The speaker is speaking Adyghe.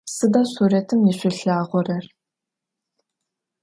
Sıda suretım yişsulhağorer?